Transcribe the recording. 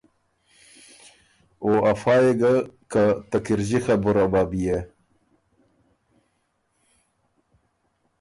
او افا يې ګه که ته کِرݫی خبُره بۀ بيې۔